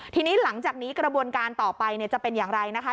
ทีนี้หลังจากนี้กระบวนการต่อไปจะเป็นอย่างไรนะคะ